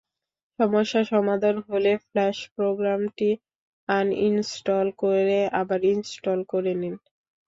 সমস্যা সমাধান হলে ফ্ল্যাশ প্রোগ্রামটি আনইনস্টল করে আবার ইনস্টল করে নিন।